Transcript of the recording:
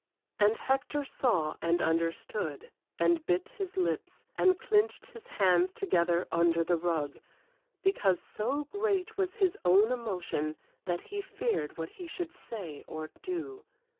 And Hector saw and understood, and bit his lips, and clinched his hands together under the rug, because so great was his own emotion that he feared what he should say or do.